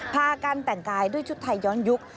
พากันแต่งกายด้วยชุดไทยย้อนยุค